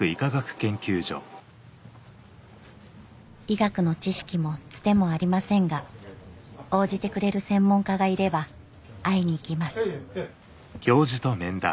医学の知識もつてもありませんが応じてくれる専門家がいれば会いに行きます